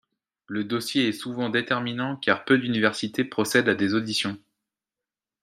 Le dossier est souvent déterminant car peu d'universités procèdent à des auditions.